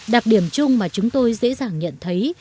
đặc điểm chung mà chúng tôi dễ dàng nhận thấy